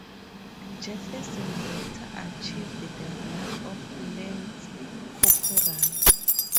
Jefferson later achieved the rank of lance-corporal.